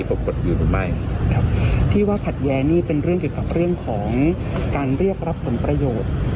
พี่ว่าขัดแย้งนี่เป็นเรื่องเกี่ยวกับเรื่องของการเรียบรับผลประโยชน์